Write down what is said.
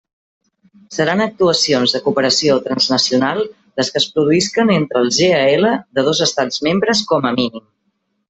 Seran actuacions de cooperació transnacional les que es produïsquen entre GAL de dos estats membres, com a mínim.